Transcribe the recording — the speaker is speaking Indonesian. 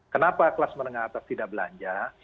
kenapa kelas menengah atas tidak belanja